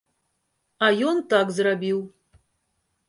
А ён так зрабіў.